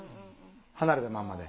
離れたまんまで。